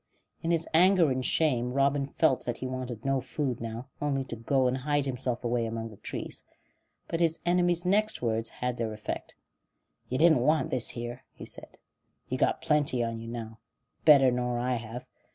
In his anger and shame Robin felt that he wanted no food now, only to go and hide himself away among the trees; but his enemy's next words had their effect. "You didn't want this here," he said. "You've got plenty on you now. Better nor I have.